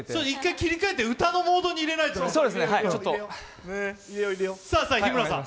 一回切り替えて歌のモードに入れないとね。